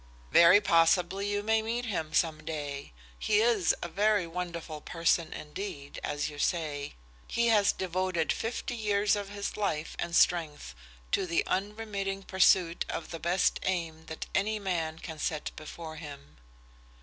"Very possibly you may meet him, some day. He is a very wonderful person indeed, as you say. He has devoted fifty years of his life and strength to the unremitting pursuit of the best aim that any man can set before him."